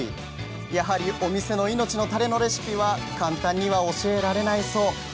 やはりお店の命のタレのレシピは簡単には教えられないそう。